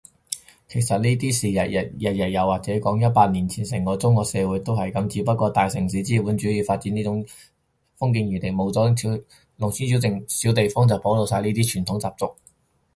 其實呢啲事日日有，或者講，一百年前成個中國社會都係噉，只不過大城市資本主義發展呢啲封建餘孽冇咗，農村小地方就保留晒呢啲傳統習俗